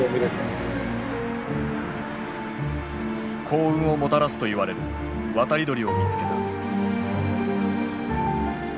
幸運をもたらすといわれる渡り鳥を見つけた。